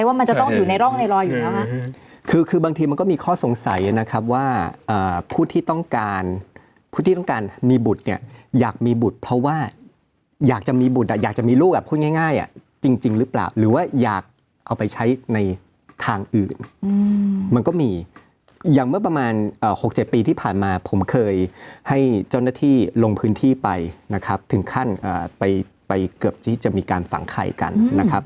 ว่ามันจะต้องอยู่ในร่องในรอยอยู่แล้วนะคือคือบางทีมันก็มีข้อสงสัยนะครับว่าผู้ที่ต้องการผู้ที่ต้องการมีบุตรเนี่ยอยากมีบุตรเพราะว่าอยากจะมีบุตรอ่ะอยากจะมีลูกอ่ะพูดง่ายจริงหรือเปล่าหรือว่าอยากเอาไปใช้ในทางอื่นมันก็มีอย่างเมื่อประมาณ๖๗ปีที่ผ่านมาผมเคยให้เจ้าหน้าที่ลงพื้นที่ไปนะครับถึงขั้นไปเกือบที่จะมีการฝังไข่กันนะครับ